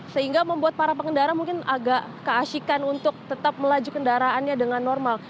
sehingga membuat para pengendara mungkin agak keasikan untuk tetap melaju kendaraannya dengan normal